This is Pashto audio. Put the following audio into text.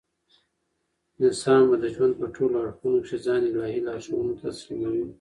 انسان به د ژوند په ټولو اړخو کښي ځان الهي لارښوونو ته تسلیموي.